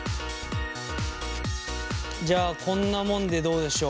じゃあこんなもんでどうでしょう。